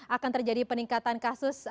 akan terjadi peningkatan kasus